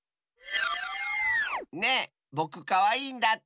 ねえぼくかわいいんだって！